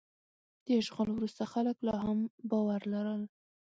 د اشغال وروسته خلک لا هم باور لرل.